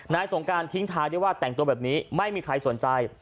สงการทิ้งท้ายได้ว่าแต่งตัวแบบนี้ไม่มีใครสนใจ